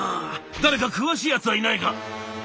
誰か詳しいやつはいないか？